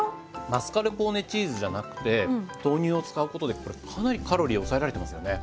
マスカルポーネチーズじゃなくて豆乳を使うことでこれかなりカロリー抑えられてますよね。